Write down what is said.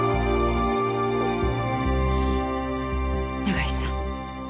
永井さん。